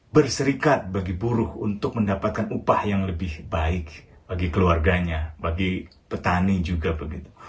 berserikat bagi buruh untuk mendapatkan upah yang lebih baik bagi keluarganya bagi petani juga begitu